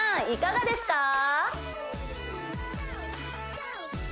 いかがですか？